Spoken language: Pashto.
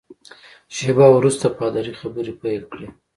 شېبه وروسته پادري خبرې پیل کړې.